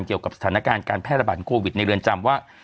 เกี่ยวกับสถานการณ์การแพร่ระบาดโควิดในเรือนจำว่า